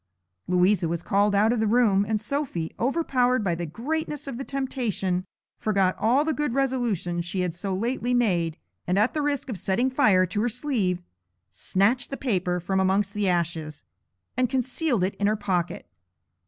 Louisa was called out of the room, and Sophy, overpowered by the greatness of the temptation, forgot all the good resolutions she had so lately made, and at the risk of setting fire to her sleeve, snatched the paper from amongst the ashes, and concealed it in her pocket.